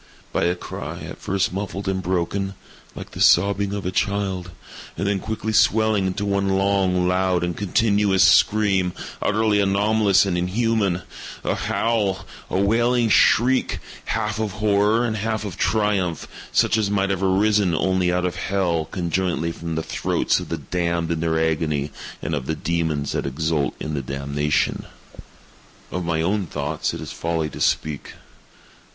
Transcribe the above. —by a cry, at first muffled and broken, like the sobbing of a child, and then quickly swelling into one long, loud, and continuous scream, utterly anomalous and inhuman—a howl—a wailing shriek, half of horror and half of triumph, such as might have arisen only out of hell, conjointly from the throats of the damned in their agony and of the demons that exult in the damnation. Of my own thoughts it is folly to speak.